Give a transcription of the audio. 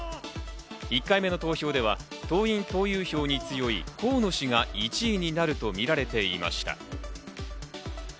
１回目の投票では党員・党友票に強い河野氏が１位になるとみられていました。